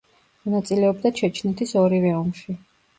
მონაწილეობდა ჩეჩნეთის ორივე ომში.